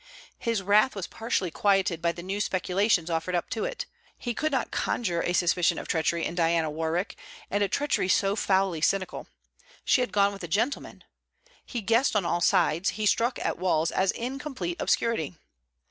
His wrath was partially quieted by the new speculations offered up to it. He could not conjure a suspicion of treachery in Diana Warwick; and a treachery so foully cynical! She had gone with a gentleman. He guessed on all sides; he struck at walls, as in complete obscurity.